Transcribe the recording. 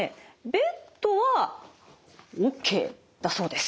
ベッドはＯＫだそうです。